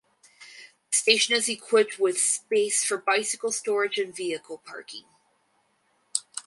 The station is equipped with space for bicycle storage and vehicle parking.